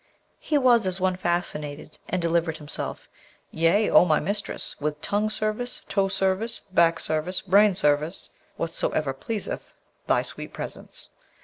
He was as one fascinated, and delivered himself, 'Yea, O my mistress! with tongue service, toe service, back service, brain service, whatso pleaseth thy sweet presence.'